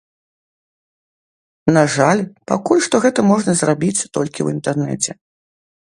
На жаль пакуль што гэта можна зрабіць толькі ў інтэрнэце.